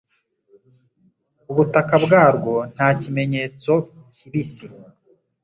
ubutaka bwarwo nta kimenyetso kibisi